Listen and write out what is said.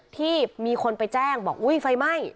ที่มีคนไปแจ้งบอกอุ้ยไฟไหม้